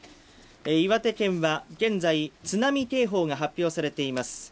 岩手県は現在、津波警報が発表されています。